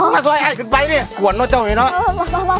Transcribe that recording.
คือมาส่อยไอ้ขึ้นไปนี่ควรเนอะเจ้าเห็นเนอะเออมามามา